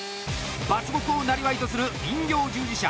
伐木をなりわいとする林業従事者